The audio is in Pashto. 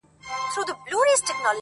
قاسم یار بایللی هوښ زاهد تسبې دي،